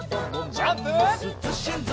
ジャンプ！